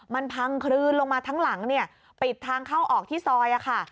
มันพังคลืนลงมาทั้งหลังเนี่ยปิดทางเข้าออกที่ซอยค่ะ